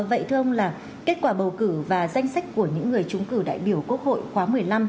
vậy thưa ông là kết quả bầu cử và danh sách của những người trúng cử đại biểu quốc hội khóa một mươi năm